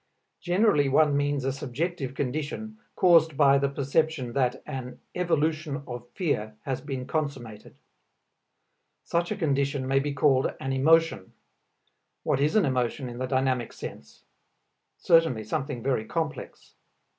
Generally one means a subjective condition, caused by the perception that an "evolution of fear" has been consummated. Such a condition may be called an emotion. What is an emotion in the dynamic sense? Certainly something very complex.